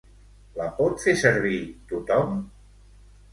La pot fer servir tothom?